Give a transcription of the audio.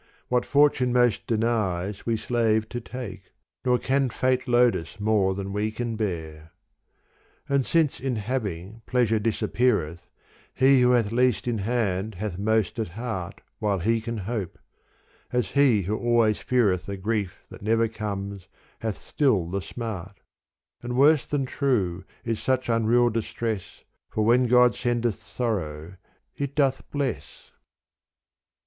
What fortune most denies we slave to take : Nor can fate load us more than we can bear. And since in having, pleasure disappeareth, He who hath least in hand hath most at heart While he can hope : as he who always feareth A grief that never comes hath still the smart : And worse than true is such unreal distress For when God sendeth sorrow, it doth bless.